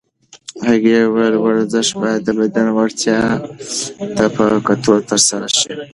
هغې وویل ورزش باید د بدن وړتیاوو ته په کتو ترسره شي.